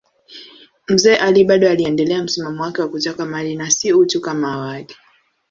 Mzee Ali bado aliendelea msimamo wake wa kutaka mali na si utu kama awali.